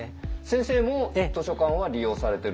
先生も図書館は利用されてるんですか？